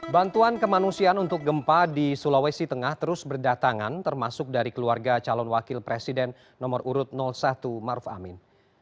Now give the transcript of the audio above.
bantuan kemanusiaan untuk gempa di sulawesi tengah terus berdatangan termasuk dari keluarga calon wakil presiden nomor urut satu maruf amin